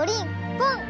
ポン！